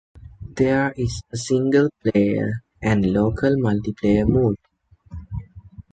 There is a single player, and a local multiplayer mode.